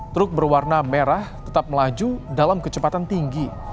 truk berwarna merah tetap melaju dalam kecepatan tinggi